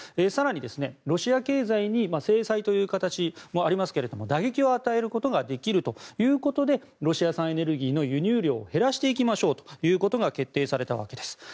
更にロシア経済に制裁という形もありますけれども打撃を与えることができるということでロシア産エネルギーの輸入量を減らしていきましょうと決定されたわけです。